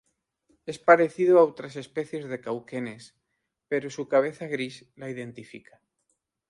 Es parecido a otras especies de cauquenes, pero su cabeza gris la identifica.